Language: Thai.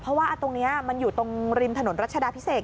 เพราะว่าตรงนี้มันอยู่ตรงริมถนนรัชดาพิเศษ